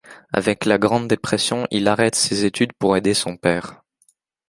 Avec la Grande Dépression, il arrête ses études pour aider son père.